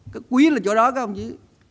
cái quý là chỗ đó các ông chí